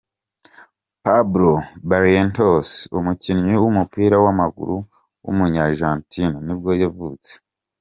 Pablo Barrientos, umukinnyi w’umupira w’amaguru w’umunya Argentine nibwo yavutse.